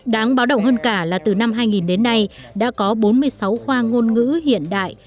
đáng báo động hơn cả là từ năm hai nghìn đến nay đã có bốn mươi sáu khoa ngôn ngữ hiện đại